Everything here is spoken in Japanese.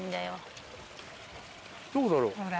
どこだろう？